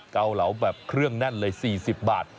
เกาเหลาแบบเครื่องแน่นเลย๔๐บาท